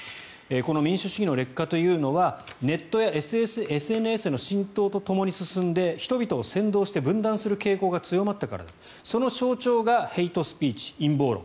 この民主主義の劣化というのはネットやＳＮＳの浸透とともに進んで人々を扇動して分断する傾向が強まったその象徴がヘイトスピーチ、陰謀論